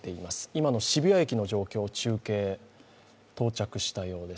今の渋谷駅の状況を中継、到着したようです。